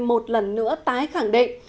một lần nữa tái khẳng định